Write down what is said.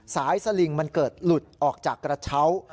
สลิงมันเกิดหลุดออกจากกระเช้า